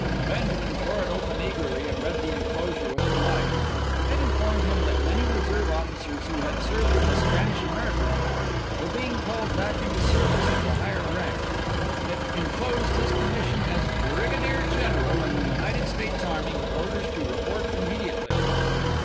Benjamin tore it open eagerly, and read the enclosure with delight. It informed him that many reserve officers who had served in the Spanish American War were being called back into service with a higher rank, and it enclosed his commission as brigadier general in the United States army with orders to report immediately.